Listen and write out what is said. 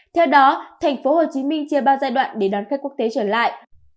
theo đó tp hcm chia ba giai đoạn để đón khách quốc tế trở lại